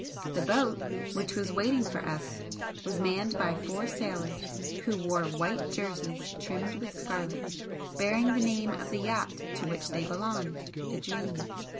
The boat which was waiting for us was manned by four sailors who wore white jerseys trimmed with scarlet, bearing the name of the yacht to which they belonged the 'Dream.'